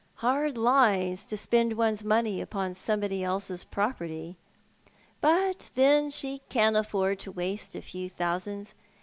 Hard liucs, to speud one's money upon somebody else's property. But then sho can afford to waste a few thousands.